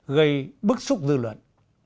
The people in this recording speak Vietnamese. gây bức xúc dư luận